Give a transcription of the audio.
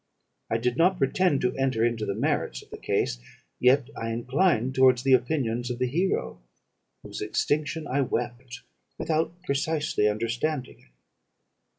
I did not pretend to enter into the merits of the case, yet I inclined towards the opinions of the hero, whose extinction I wept, without precisely understanding it.